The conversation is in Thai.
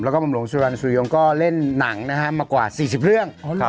แล้วก็บำรวงโสรรรยสุโยงก็เล่นหนังนะครับมากว่า๔๐เรื่อง